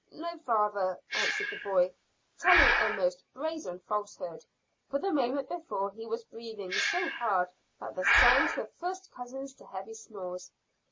"No, father," answered the boy, telling a most brazen falsehood, for the moment before he was breathing so hard that the sounds were first cousins to heavy snores.